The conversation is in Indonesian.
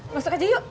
masuk aja yuk